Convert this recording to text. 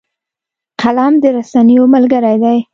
قلم د رسنیو ملګری دی